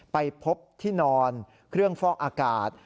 ไปพบที่นอนเครื่องฟอกอากาศ